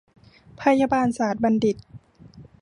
พยาบาลศาตรบัณฑิต